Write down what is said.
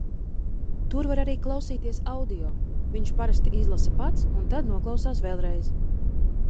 Tur var arī klausīties audio. Viņš parasti izlasa pats un tad noklausās vēlreiz.